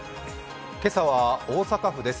今朝は大阪府です。